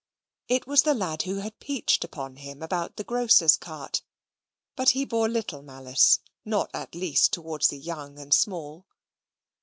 It was the lad who had peached upon him about the grocer's cart; but he bore little malice, not at least towards the young and small.